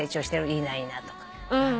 いいないいなとか。